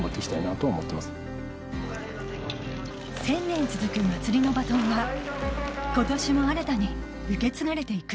１０００年続くまつりのバトンは今年も新たに受け継がれて行く